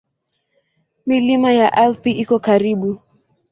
Milima ya Alpi iko karibu.